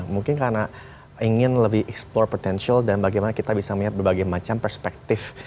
mungkin karena ingin lebih export potential dan bagaimana kita bisa melihat berbagai macam perspektif